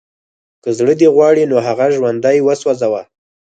که زړه دې غواړي نو هغه ژوندی وسوځوه